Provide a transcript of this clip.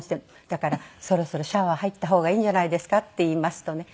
だから「そろそろシャワー入った方がいいんじゃないですか？」って言いますとね